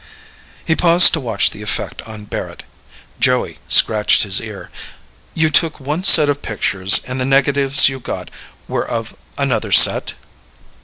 He paused to watch the effect on Barrett. Joey scratched his ear. "You took one set of pictures and the negatives you got were of another set?"